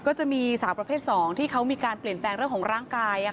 ก็จะมีสาวประเภท๒ที่เขามีการเปลี่ยนแปลงเรื่องของร่างกาย